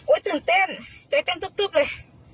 ตื่นเต้นใจเต้นตุ๊บเลย